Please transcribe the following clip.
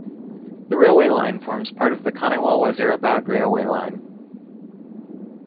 The railway line forms part of the Khanewal-Wazirabad railway line.